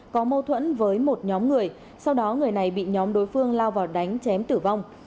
có mâu thuẫn với một nhóm người sau đó người này bị nhóm đối phương lao vào đánh chém tử vong